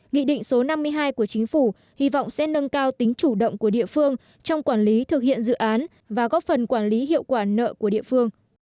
nghị định số năm mươi hai của chính phủ hy vọng sẽ nâng cao tính chủ động của địa phương trong quản lý thực hiện dự án và góp phần quản lý hiệu quả nợ của địa phương